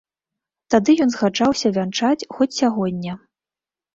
Тады ён згаджаўся вянчаць, хоць сягоння.